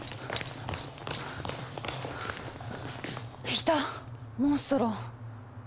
いたモンストロ！